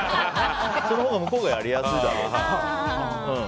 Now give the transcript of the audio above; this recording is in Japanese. そのほうが、向こうがやりやすいだろうからって。